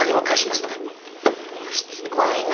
もうしつこいな。